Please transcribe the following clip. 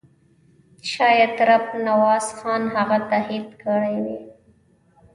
شاید رب نواز خان هغه تهدید کړی وي.